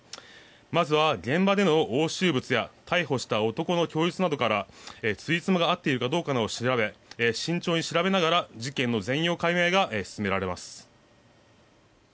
まずは現場での押収物や逮捕した男の供述などからつじつまが合っているかどうかを調べ慎重に調べながら事件の全容解明が進められます。